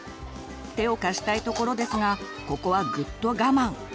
手を貸したいところですがここはぐっと我慢。